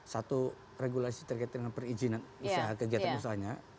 satu regulasi terkait dengan perizinan usaha kegiatan usahanya